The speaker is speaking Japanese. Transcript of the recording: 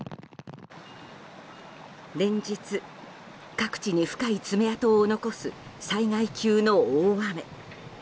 連日、各地に深い爪痕を残す災害級の大雨。